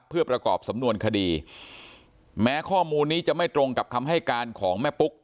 เพื่อประกอบสำนวนคดีแม้ข้อมูลนี้จะไม่ตรงกับคำให้การของแม่ปุ๊ก